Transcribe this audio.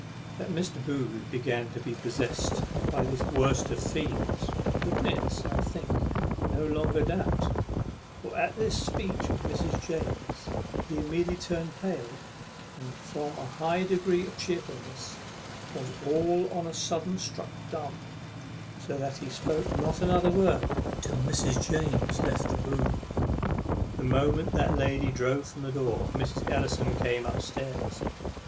That Mr. Booth began to be possessed by this worst of fiends, admits, I think, no longer doubt; for at this speech of Mrs. James he immediately turned pale, and, from a high degree of chearfulness, was all on a sudden struck dumb, so that he spoke not another word till Mrs. James left the room. The moment that lady drove from the door Mrs. Ellison came up stairs.